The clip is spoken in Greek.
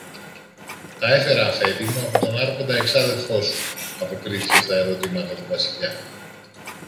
Τα έφερα, Αφέντη μου, από τον Άρχοντα εξάδελφο σου, αποκρίθηκε στα ρωτήματα του Βασιλιά.